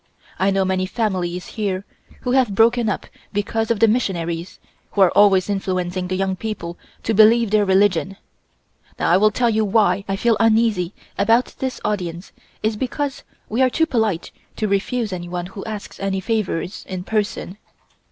I know many families here who have broken up because of the missionaries, who are always influencing the young people to believe their religion. Now I tell you why I feel uneasy about this audience is because we are too polite to refuse anyone who asks any favors in person.